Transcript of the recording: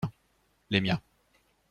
Les miens.